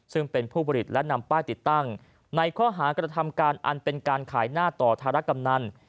ซึ่งเป็นผู้ผลิตและนำป้ายติดตั้งในข้อหากระทำการอันเป็นการขายหน้าต่อธารกำนัน